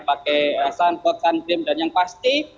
pake sunblock sun cream dan yang pasti